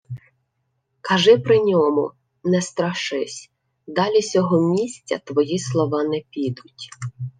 — Кажи при ньому, не страшись. Далі сього місця твої слова не підуть.